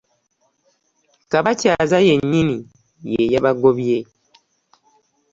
Kabakyaza yennyini ye yabagobye.